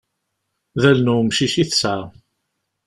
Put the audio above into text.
D allen n wemcic i tesɛa.